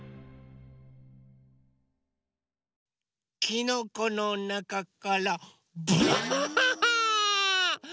きのこのなかからばあっ！